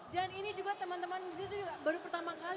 dan ini juga teman teman disitu baru pertama kali